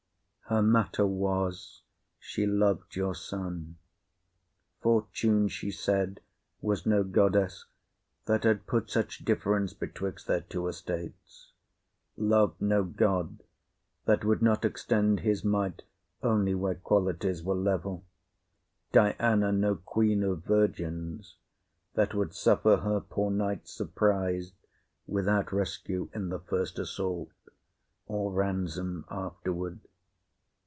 Her matter was, she loved your son. Fortune, she said, was no goddess, that had put such difference betwixt their two estates; Love no god, that would not extend his might only where qualities were level; Diana no queen of virgins, that would suffer her poor knight surpris'd, without rescue in the first assault or ransom afterward.